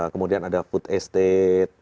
kemudian ada food estate